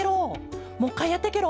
もう１かいやってケロ。